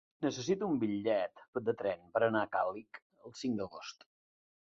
Necessito un bitllet de tren per anar a Càlig el cinc d'agost.